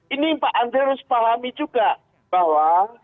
ini pak andre harus pahami juga bahwa